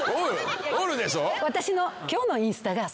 おるでしょ？